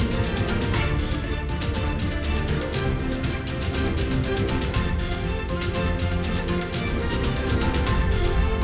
selamat malam sampai jumpa lagi